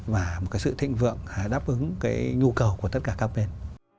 và một cái sự thịnh vượng đáp ứng cái nhu cầu của tất cả các bên